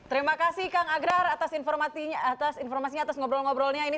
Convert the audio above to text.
terima kasih kang agrar atas informasinya atas ngobrol ngobrolnya ini